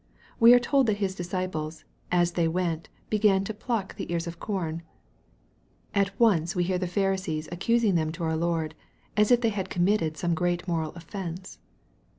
We are told that His disciples, " as they went, began to pluck the ears of corn." At once we hear the Pharisees accusing them to our Lord, as if they had committed some great moral offence.